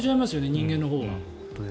人間のほうは。